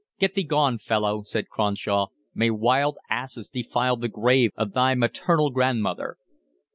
"Get thee gone, fellow," said Cronshaw. "May wild asses defile the grave of thy maternal grandmother."